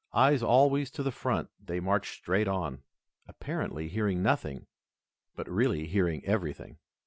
Eyes always to the front, they marched straight on, apparently hearing nothing, but really hearing everything.